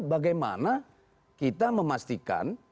bagaimana kita memastikan